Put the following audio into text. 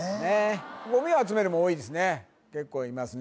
「ごみを集める」も多いですね